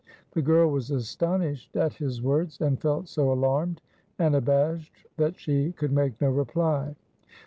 The girl was astonished at his words, and felt so alarmed and abashed that she could make no reply.